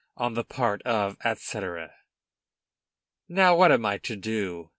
"On the part of, etc." "Now, what am I do to?"